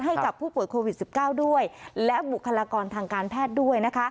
ให้กับผู้ป่วยโควิด๑๙ด้วยและบุคลากรทางการแพทย์ด้วยนะคะ